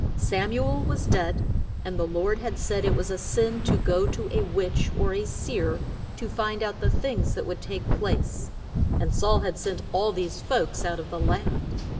Sam u el was dead, and the Lord had said it was a sin to go to a witch, or a seer, to find out the things that would take place, and Saul had sent all these folks out of the land.